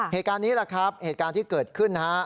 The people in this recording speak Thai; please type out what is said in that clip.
เหตุการณ์นี้แหละครับเหตุการณ์ที่เกิดขึ้นนะฮะ